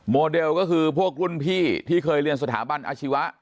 โมเดลก็คือพวกรุ่นพี่ที่เคยเรียนสถาบันอาชีวะ